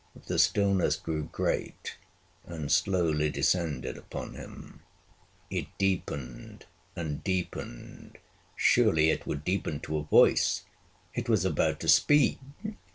The stillness grew great, and slowly descended upon him. It deepened and deepened. Surely it would deepen to a voice! it was about to speak!